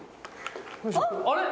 あれ？